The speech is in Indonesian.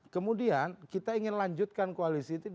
kemudian kita ingin lanjutkan koalisi itu